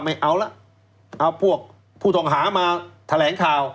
ไม่เอาละเอาพวกผู้ต้องหามาแถลงข่าว